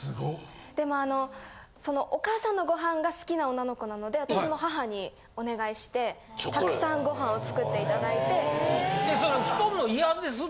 でもそのお母さんのご飯が好きな女の子なので私も母にお願いしてたくさんご飯を作って頂いて。